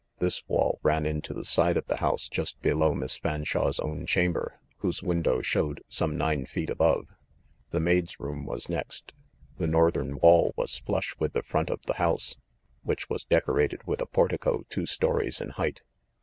This wall ran into the side of the house just below Miss THE FANSHAWE GHOST 73 Fanshawe's own chamber, whose window showed some nine feet above. The maid's room was next. The northern wall was flusH with the front of the house, which was decorated with a portico two stories in height.